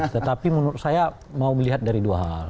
tetapi menurut saya mau melihat dari dua hal